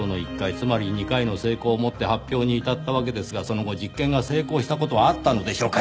つまり２回の成功を持って発表に至ったわけですがその後実験が成功した事はあったのでしょうか？